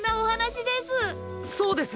そうです！